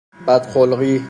بدخلقی